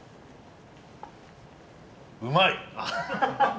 うまい！